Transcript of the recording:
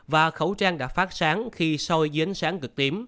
và khẩu trang đã phát sáng khi soi dưới ánh sáng